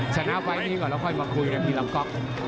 ชนะไฟล์นี้ก่อนแล้วค่อยมาคุยกันทีหลังก๊อก